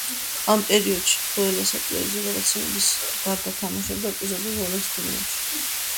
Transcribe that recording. ამ პერიოდში, ფლოელა სატელევიზიო გადაცემების გარდა თამაშობდა ეპიზოდურ როლებს ფილმებში.